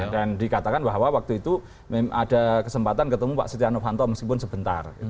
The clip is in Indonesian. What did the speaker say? dan dikatakan bahwa waktu itu ada kesempatan ketemu pak setia novanto meskipun sebentar